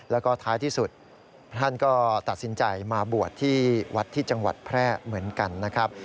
แล้วก็ท้ายที่สุดท่านก็ตัดสินใจมาบวชที่วัดที่จังหวัดแพร่เหมือนกันนะครับ